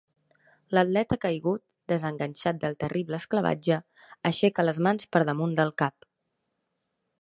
L'atleta caigut, desenganxat del terrible esclavatge, aixeca les mans per damunt del cap.